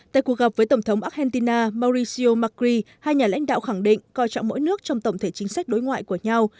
tại cuộc gặp với tổng thống argentina mauricio macri hai nhà lãnh đạo khẳng định coi trọng mỗi nước trong tổng thể chính sách đối ngoại của nhau